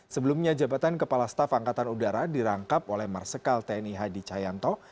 sebelumnya jabatan kepala staf angkatan udara dirangkap oleh marsikal tni hadi cayanto